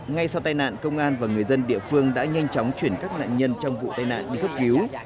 ngay sau tai nạn công an và người dân địa phương đã nhanh chóng chuyển các nạn nhân trong vụ tai nạn đi cấp cứu